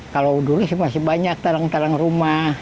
kalau dulu masih banyak talang talang rumah